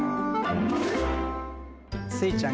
スイちゃん